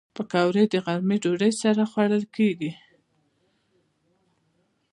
پکورې د غرمې ډوډۍ سره خوړل کېږي